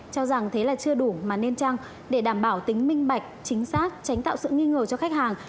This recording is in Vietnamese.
cho rằng thế là chưa đủ mà nên chăng để đảm bảo tính minh bạch chính xác tránh tạo sự nghi ngờ cho khách hàng